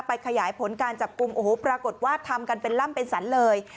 ขยายผลการจับกลุ่มโอ้โหปรากฏว่าทำกันเป็นล่ำเป็นสรรเลย